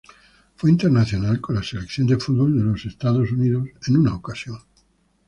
Fue internacional con la selección de fútbol de los Estados Unidos en una ocasión.